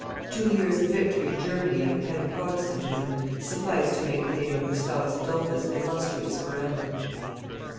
Two years of victory in Germany at the head of Protestantism sufficed to make the name of Gustavus Adolphus illustrious forever.